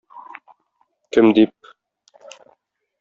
Кем дип...